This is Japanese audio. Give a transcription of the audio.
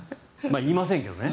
言いませんけどね。